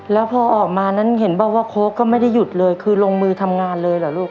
แล้วพอออกมานั้นเห็นบอกว่าโค้กก็ไม่ได้หยุดเลยคือลงมือทำงานเลยเหรอลูก